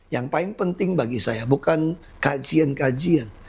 yang paling penting bagi saya bukan kajian kajian